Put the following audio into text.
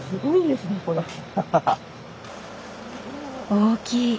大きい！